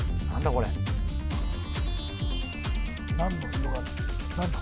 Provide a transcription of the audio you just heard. これ何の色が何だ